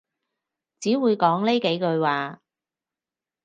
只會講呢幾句話